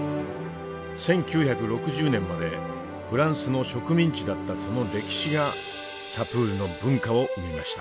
１９６０年までフランスの植民地だったその歴史がサプールの文化を生みました。